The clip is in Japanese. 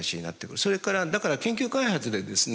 それからだから研究開発でですね